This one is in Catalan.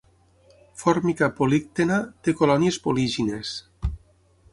"Formica polyctena" té colònies polígines.